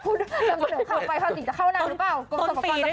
พอเดี๋ยวเข้าไปภาษีจะเข้านางหรือเปล่า